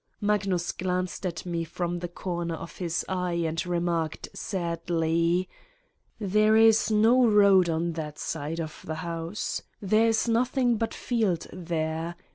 Magnus glanced at me from the corner of his eye and remarked sadly: "There is no road on that side of the house. There is nothing but field there.